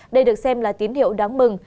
đây được xem là tín hiệu đáng mừng